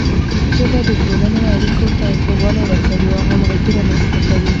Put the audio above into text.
ژبه د ټولنې اړیکو ته ښه والی ورکوي او همغږي رامنځته کوي.